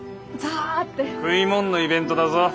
食いもんのイベントだぞ。